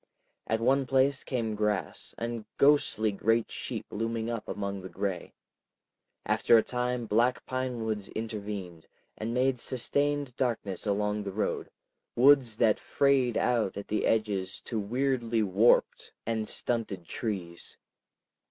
At one place came grass, and ghostly great sheep looming up among the gray. After a time black pinewoods intervened, and made sustained darknesses along the road, woods that frayed out at the edges to weirdly warped and stunted trees.